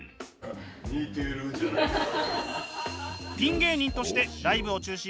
似てるじゃないか。